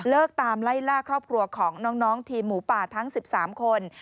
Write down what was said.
ตามไล่ล่าครอบครัวของน้องทีมหมูป่าทั้ง๑๓คน